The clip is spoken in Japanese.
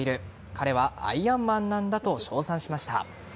彼はアイアンマンなんだと称賛しました。